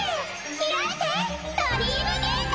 開いてドリームゲート！